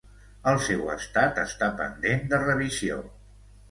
El seu estat està pendent de revisió.